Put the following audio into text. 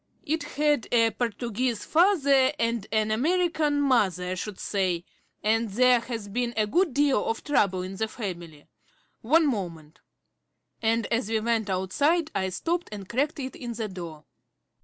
It had a Portuguese father and an American mother, I should say, and there has been a good deal of trouble in the family. One moment" and as we went outside I stopped and cracked it in the door.